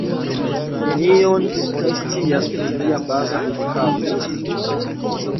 Nenion oni scias pri lia baza edukado.